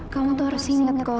kamu tuh harus ingat kok